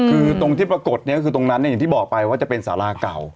คือตรงที่ปรากฏเนี่ยก็คือตรงนั้นเนี่ยอย่างที่บอกไปว่าจะเป็นสาราเก่า